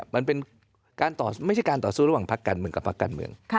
มันเป็นการต่อไม่ใช่การต่อสู้ระหว่างพักการเมืองกับพักการเมือง